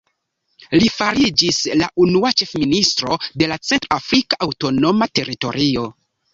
Li fariĝis la unua ĉefministro de la centr-afrika aŭtonoma teritorio.